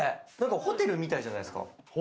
ホテルみたいじゃないですか。